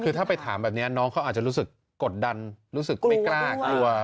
คือถ้าไปถามแบบนี้น้องเขาอาจจะรู้สึกกดดันรู้สึกไม่กล้ากลัว